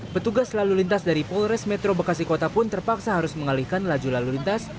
petugas lalu lintas dari polres metro bekasi kota pun terpaksa harus mengalihkan laju lalu lintas